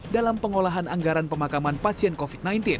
dalam pengolahan anggaran pemakaman pasien covid sembilan belas